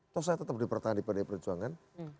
toh saya tetap dipertahan di pdi perjuangan